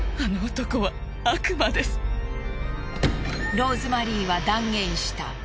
ローズマリーは断言した。